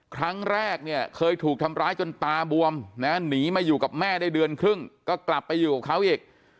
ครั้งแรกเนี่ยเคยถูกทำร้ายจนตาบวมนะหนีมาอยู่กับแม่ได้เดือนครึ่งก็กลับไปอยู่กับเขาอีก